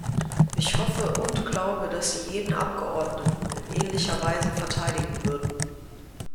Ich hoffe und glaube, dass Sie jeden Abgeordneten in ähnlicher Weise verteidigen würden.